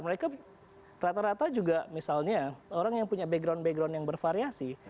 mereka rata rata juga misalnya orang yang punya background background yang bervariasi